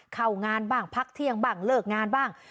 เข้างานบ้างพักเที่ยงบ้างเลิกงานบ้าง